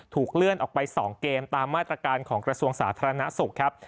เลื่อนออกไป๒เกมตามมาตรการของกระทรวงสาธารณสุขครับ